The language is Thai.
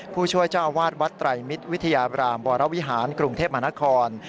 ผู้ช่วยเจ้าอาวาสวัดไตรมิตรวิทยาบรามวรวิหารกรุงเทพมหานคร